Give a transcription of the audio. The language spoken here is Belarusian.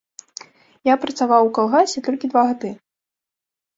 Я працаваў у калгасе толькі два гады.